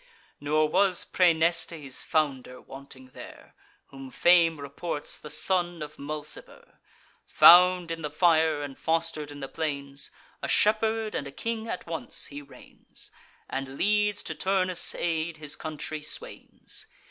Nor was Praeneste's founder wanting there, Whom fame reports the son of Mulciber: Found in the fire, and foster'd in the plains, A shepherd and a king at once he reigns, And leads to Turnus' aid his country swains.